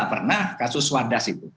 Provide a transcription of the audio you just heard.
pernah kasus wardas itu